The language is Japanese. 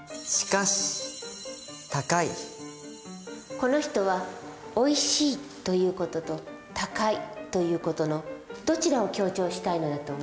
この人は「おいしい」という事と「高い」という事のどちらを強調したいのだと思う？